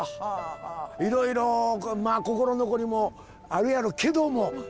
いろいろ心残りもあるやろうけども。